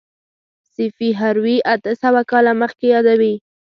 سیفي هروي اته سوه کاله مخکې یادوي.